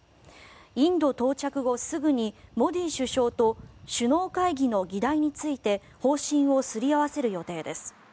インド到着後すぐにモディ首相と首脳会議の議題について方針をすり合わせる予定です。